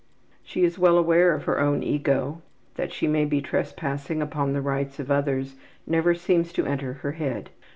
She is well aware of her own ego; that she may be trespassing upon the rights of others never seems to enter her head.